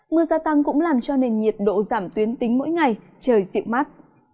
mưa gia tăng cũng làm cho nền nhiệt độ giảm tuyến tính mỗi ngày trời dịu mát